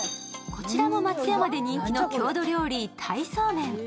こちらも松山で人気の郷土料理、鯛そうめん。